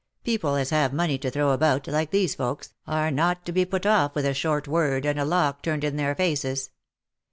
People as have money to throw about, like these folks, are not to be put off with a short word, and a lock turned in their faces.